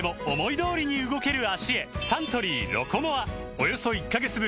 およそ１カ月分